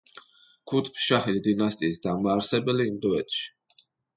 ქუთბ შაჰის დინასტიის დამაარსებელი ინდოეთში.